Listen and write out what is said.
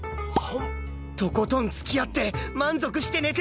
とことん付き合って満足して寝てもらう！